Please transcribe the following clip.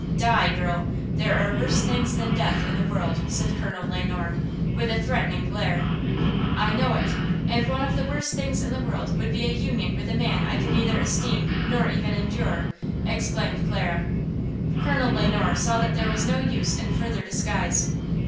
"Die, girl! There are worse things than death in the world!" said Colonel Le Noir, with a threatening glare. "I know it! and one of the worst things in the world would be a union with a man I could neither esteem nor even endure!" exclaimed Clara. Colonel Le Noir saw that there was no use in further disguise.